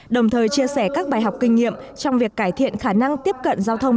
đồng thời chia sẻ các bài học kinh nghiệm trong việc cải thiện khả năng tiếp cận giao thông